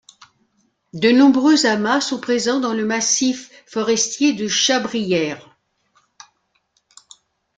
De nombreux amas sont présents dans le massif forestier de Chabrières.